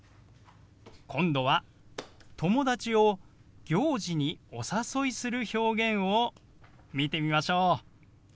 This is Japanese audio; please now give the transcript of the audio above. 今度は友達を行事にお誘いする表現を見てみましょう。